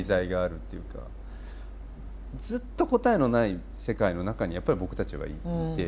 ずっと答えのない世界の中にやっぱり僕たちはいて。